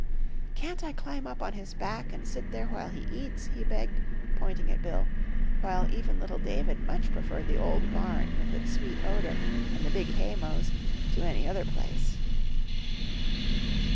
"Can't I climb up on his back and sit there while he eats?" he begged, pointing at Bill, while even little David much preferred the old barn with its sweet odor, and the big haymows, to any other place.